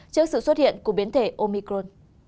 trước sự xuất hiện của biến thể omicron